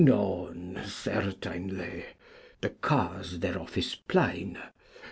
None certainly: The cause thereof is playne.